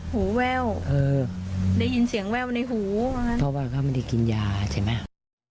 หูแว่วเออได้ยินเสียงแว่วในหูเพราะว่าเขาไม่ได้กินยาใช่ไหม